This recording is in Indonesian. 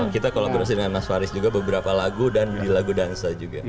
kita kolaborasi dengan mas faris juga beberapa lagu dan di lagu dansa juga